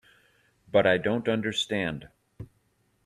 But I don't understand.